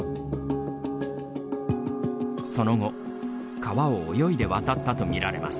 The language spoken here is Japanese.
その後川を泳いで渡ったとみられます。